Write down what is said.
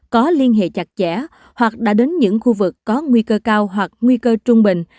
có liên hệ chặt chẽ hoặc đã đến những khu vực có nguy cơ cao hoặc nguy cơ trung bình